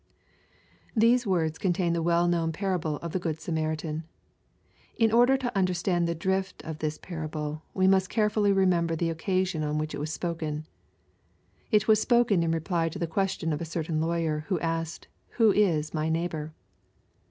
These words contain the well known parable of the good Samaritan. In order to understand the drift of this parable, we must carefully remember the occasion on which it was spoken. It was spoken in reply to the question of a certain lawyer, who asked, "who is my neighbor